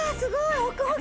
ホクホク！